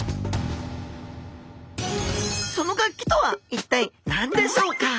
その楽器とは一体何でしょうか？